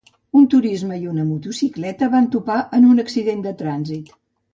Un turisme i una motocicleta van topar en un accident de trànsit